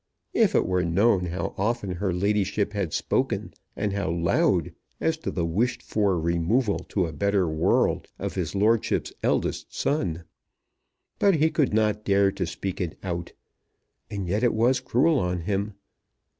If it were known how often her ladyship had spoken, and how loud, as to the wished for removal to a better world of his lordship's eldest son! But he could not dare to speak it out. And yet it was cruel on him!